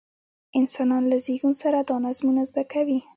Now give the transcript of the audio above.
انسانان له زېږون سره دا نظمونه زده کوي.